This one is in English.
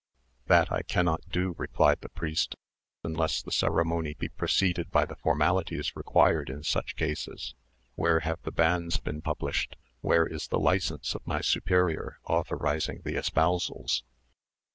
"That I cannot do," replied the priest, "unless the ceremony be preceded by the formalities required in such cases. Where have the banns been published? Where is the license of my superior, authorising the espousals?"